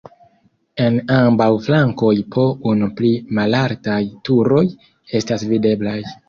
En ambaŭ flankoj po unu pli malaltaj turoj estas videblaj.